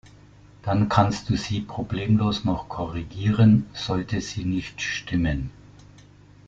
Dann kannst du sie problemlos noch korrigieren, sollte sie nicht stimmen.